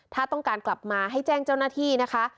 ถ้าต้องการกลับมาให้แจ้งเจ้าหน้าที่นะคะ